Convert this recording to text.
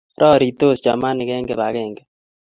raritos chamanik eng kibagenge